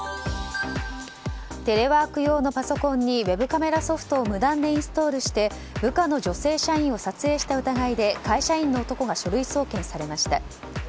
テレワーク用のパソコンにウェブカメラソフトを無断でインストールして部下の女性社員を撮影した疑いで会社員の男が書類送検されました。